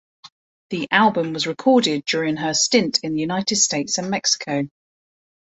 The album was recorded during her stint in the United States and Mexico.